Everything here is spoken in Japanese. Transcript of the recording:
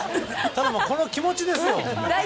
ただ、この気持ちですよ。